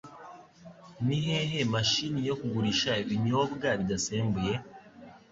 Nihehe mashini yo kugurisha ibinyobwa bidasembuye?